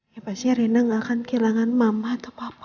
ya pastinya rina gak akan kehilangan mama atau papa